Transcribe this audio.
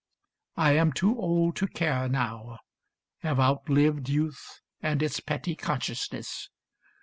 I am too old to care now, have outlived Youth and its petty consciousness.